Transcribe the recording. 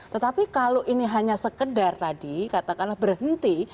tetapi kalau ini hanya sekedar tadi katakanlah berhenti